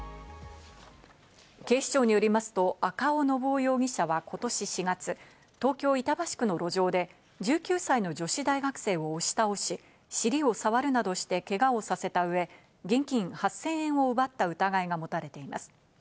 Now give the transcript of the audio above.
警視庁によりますと赤尾信雄容疑者は今年４月、東京・板橋区の路上で１９歳の女子大学生を押し倒し、尻をさわるなどして、けがをさせた上、現金８０００円を奪った疑いが持たれています。